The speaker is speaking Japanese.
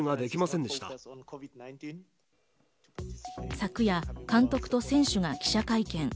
昨夜、監督と選手が記者会見。